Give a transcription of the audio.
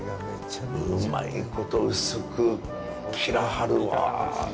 うまいこと薄く切らはるわあ。